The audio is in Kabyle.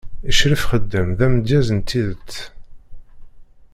Ccrif Xeddam d amedyaz n tidet.